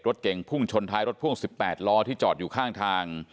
รถเก่งพุ่งชนท้ายรถพ่วง๑๘ล้อที่จอดอยู่ข้างทาง